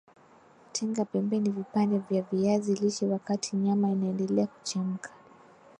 Tenga pembeni vipande vya viazi lishe wakati nyama inaendelea kuchemka